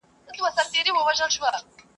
افلاطون ټولنپوهنې ته ارزښت ورکړ.